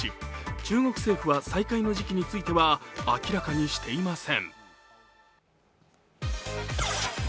中国政府は再開の時期については明らかにしていません。